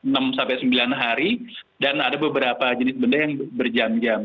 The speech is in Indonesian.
enam sampai sembilan hari dan ada beberapa jenis benda yang berjam jam